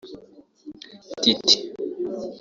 Titi